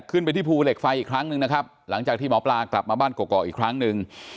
ขึ้นไปที่ภูเหล็กไฟอีกครั้งหนึ่งนะครับหลังจากที่หมอปลากลับมาบ้านเกาะอีกครั้งหนึ่ง